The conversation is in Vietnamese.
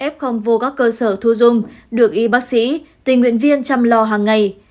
f vô các cơ sở thu dung được y bác sĩ tình nguyện viên chăm lo hàng ngày